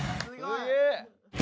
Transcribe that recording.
すげえ！